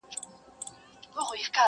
نور پخلا یو زموږ او ستاسي دي دوستي وي،